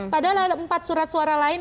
padahal ada empat surat suara lain